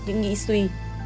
những nghĩ suy